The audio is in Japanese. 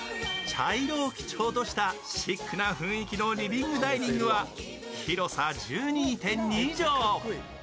茶色を基調としたシックな雰囲気のリビングダイニングは広さ１２．２畳。